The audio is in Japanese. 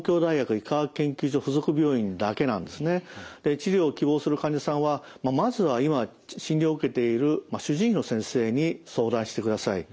治療を希望する患者さんはまずは今診療を受けている主治医の先生に相談してください。